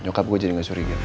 nyokap gue jadi gak curiga